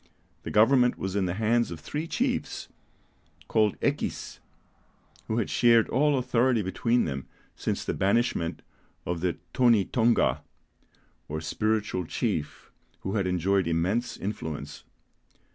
The government was in the hands of three chiefs, called Equis, who had shared all authority between them since the banishment of the Tonï Tonga, or spiritual chief, who had enjoyed immense influence.